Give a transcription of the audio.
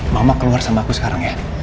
mama keluar sama aku sekarang ya